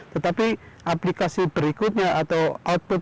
tetapi aplikasi berikutnya atau yang lainnya yang kita lakukan adalah